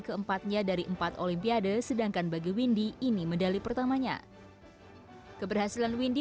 keempatnya dari empat olimpiade sedangkan bagi windy ini medali pertamanya keberhasilan windy